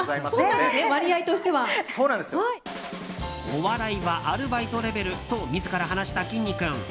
お笑いはアルバイトレベルと自ら話した、きんに君。